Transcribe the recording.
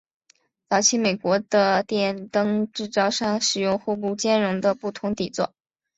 早期美国的电灯制造商使用互不兼容的不同底座。